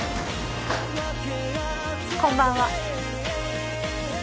こんばんは。